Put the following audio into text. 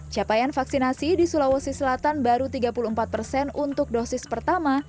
capaian vaksinasi di sulawesi selatan baru tiga puluh empat persen untuk dosis pertama